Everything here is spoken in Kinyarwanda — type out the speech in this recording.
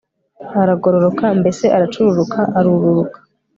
aragororoka mbese aracururuka, aruruka